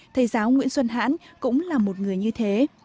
thầy giáo nguyễn xuân hãn cũng là một người như thế